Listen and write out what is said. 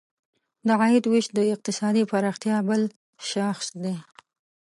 د عاید ویش د اقتصادي پراختیا بل شاخص دی.